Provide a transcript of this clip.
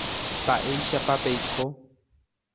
Mba’éichapa peiko.